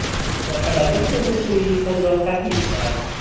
با تقلب و دروغگویی خود را خفیف کرد.